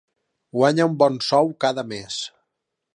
Guanya un bon sou cada mes.